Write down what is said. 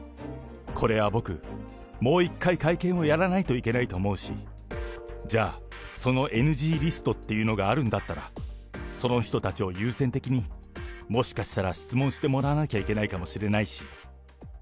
これは僕、もう一回会見をやらないといけないと思うし、じゃあ、そのＮＧリストっていうのがあるんだったら、その人たちを優先的に、もしかしたら質問してもらわなきゃいけないかもしれないし。